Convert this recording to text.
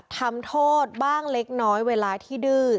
ทำโทษบ้างเล็กน้อยเวลาที่ดื้อ